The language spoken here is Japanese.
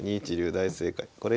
大正解。